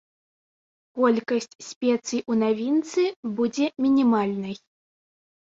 Колькасць спецый у навінцы будзе мінімальнай.